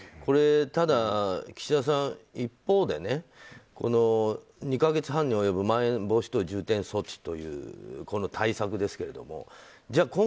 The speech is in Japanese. ただ岸田さん、一方で２か月半に及ぶまん延防止等重点措置というこの対策ですけどじゃあ